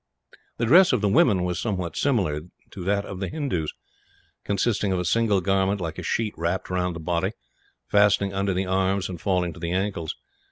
The dress of the women was somewhat similar to that of the Hindoos, consisting of a single garment like a sheet wrapped round the body, fastening under the arms and falling to the ankles.